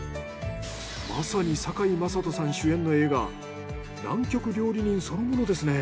まさに堺雅人さん主演の映画『南極料理人』そのものですね。